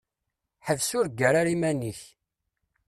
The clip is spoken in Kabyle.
Ḥbes ur ggar ara iman-ik.